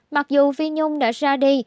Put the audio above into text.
mặc dù phi nhung đã ra đi